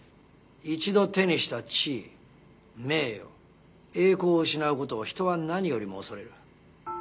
一度手にした地位名誉栄光を失う事を人は何よりも恐れる。